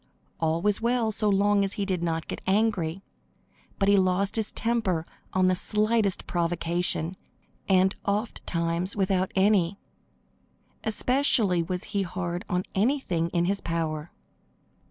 All was well so long as he did not get angry, but he lost his temper on the slightest provocation, and ofttimes without any. Especially was he hard on anything in his power.